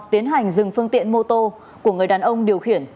tiến hành dừng phương tiện mô tô của người đàn ông điều khiển